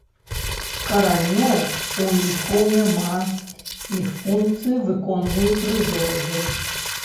Каранёў у імхоў няма, іх функцыі выконваюць рызоіды.